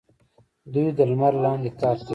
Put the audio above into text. دوی د لمر لاندې کار کوي.